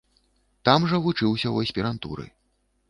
Там жа вучыўся ў аспірантуры.